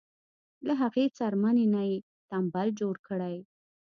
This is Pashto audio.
له هغې څرمنې نه یې تمبل جوړ کړی.